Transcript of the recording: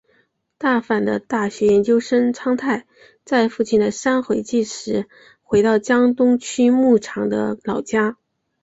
大阪的大学研究生苍太在父亲的三回忌时回到江东区木场的老家。